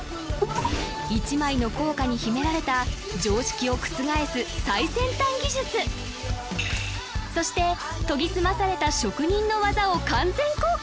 １枚の硬貨に秘められた常識を覆す最先端技術そして研ぎ澄まされた職人の技を完全公開！